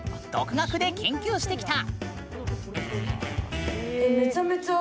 独学で研究してきた。